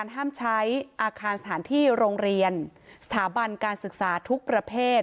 ห้ามใช้อาคารสถานที่โรงเรียนสถาบันการศึกษาทุกประเภท